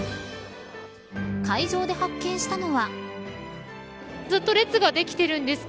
会場で発見したのは。